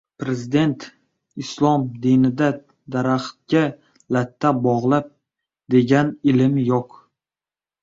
Prezident: «Islom dinida daraxtga latta bog‘lash, degan «ilm» yo‘q»